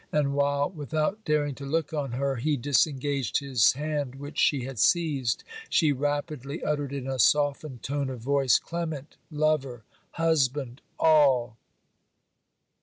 And while, without daring to look on her, he disengaged his hand which she had seized, she rapidly uttered in a softened tone of voice 'Clement, lover, husband, all!'